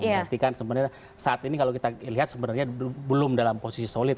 berarti kan sebenarnya saat ini kalau kita lihat sebenarnya belum dalam posisi solid